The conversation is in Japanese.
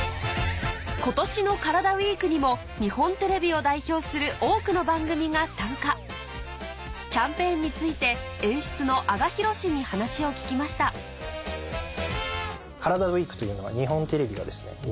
今年の「カラダＷＥＥＫ」にも日本テレビを代表する多くの番組が参加キャンペーンについて演出の英賀裕史に話を聞きました「カラダＷＥＥＫ」というのは日本テレビがですね